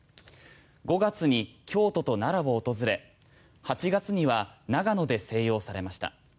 ５月に京都と奈良を訪れ８月には長野で静養されました。